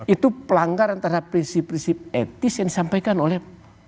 itu pelanggaran terhadap prinsip prinsip etis yang disampaikan oleh